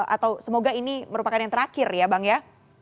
atau semoga ini merupakan yang terakhir ya bang ya